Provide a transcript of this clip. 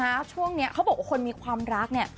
เอาจริงนะเค้าบอกว่าคนมีความรักเนี่ย